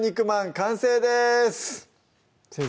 完成です先生